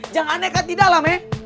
jangan nekat di dalam ya